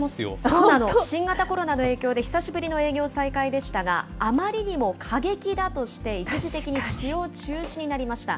そうなの、新型コロナの影響で久しぶりの営業再開でしたが、あまりにも過激だとして、一時的に使用中止になりました。